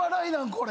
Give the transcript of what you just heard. これ。